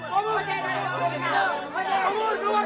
kau diam akan anak kita pak